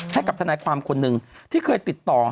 ให้กับทนายความคนหนึ่งที่เคยติดต่อ